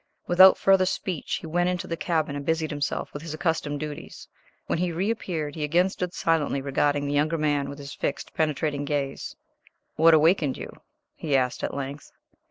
Without further speech he then went into the cabin and busied himself with his accustomed duties. When he reappeared he again stood silently regarding the younger man with his fixed, penetrating gaze. "What awakened you?" he asked, at length.